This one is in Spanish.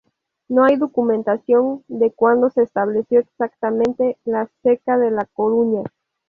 No hay documentación de cuando se estableció exactamente la ceca de La Coruña.